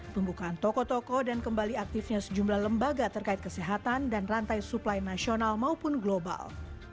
pembukaan toko toko dan kembali aktifnya sejumlah lembaga terkait kesehatan dan rantai suplai nasional maupun global